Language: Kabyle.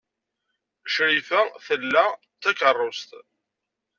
Crifa tla takeṛṛust.